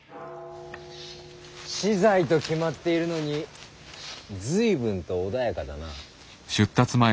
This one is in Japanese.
死罪と決まっているのに随分と穏やかだな。